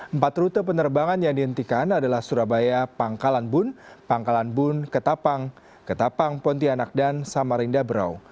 empat rute penerbangan yang dihentikan adalah surabaya pangkalanbun pangkalanbun ketapang ketapang pontianak dan samarinda brau